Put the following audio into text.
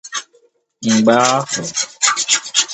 Mgbe ahụ